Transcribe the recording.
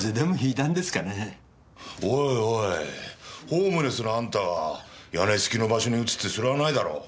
おいおいホームレスのあんたが屋根付きの場所に移ってそりゃあないだろう。